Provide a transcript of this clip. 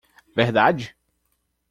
Verdade?